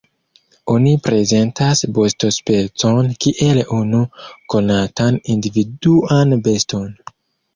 Oni prezentas bestospecon kiel unu konatan individuan beston.